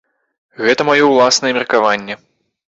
Гэта маё ўласнае меркаванне.